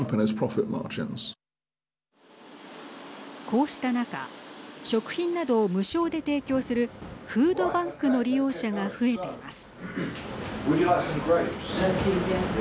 こうした中食品などを無償で提供するフードバンクの利用者が増えています。